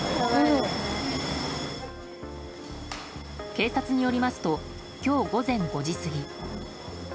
警察によりますと今日午前５時過ぎ。